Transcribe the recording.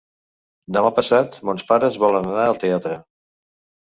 Demà passat mons pares volen anar al teatre.